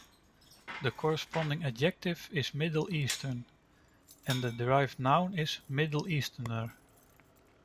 The corresponding adjective is "Middle-Eastern" and the derived noun is "Middle-Easterner".